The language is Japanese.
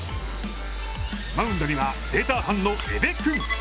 マウンドにはデータ班の江部君。